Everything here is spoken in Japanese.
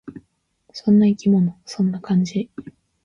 そんな生き物。そんな感じ。